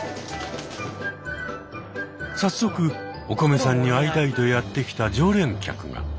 早速おこめさんに会いたいとやって来た常連客が。